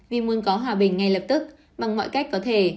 vì muốn có hòa bình ngay lập tức bằng mọi cách có thể